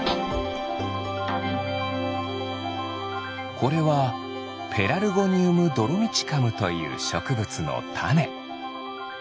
これはペラルゴニウムドロミチカムというしょくぶつのタネ。